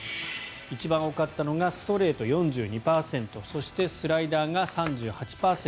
一番多かったのがストレート４２％そしてスライダーが３８％